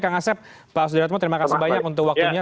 pak ngaset pak sudaratmo terima kasih banyak untuk waktunya